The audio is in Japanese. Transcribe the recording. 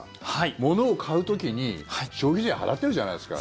物を買う時に消費税払ってるじゃないですか。